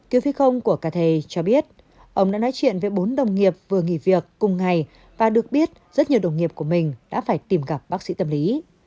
cứu phi không của cà thề cho biết ông đã nói chuyện với bốn đồng nghiệp vừa nghỉ việc cùng ngày và được biết rất nhiều đồng nghiệp của mình đã phải tìm gặp bác sĩ tâm lý